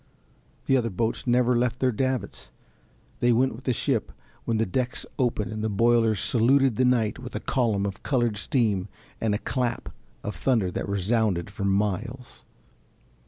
The other boats never left their davits, they went with the ship when the decks opened and the boilers saluted the night with a column of coloured steam and a clap of thunder that resounded for miles.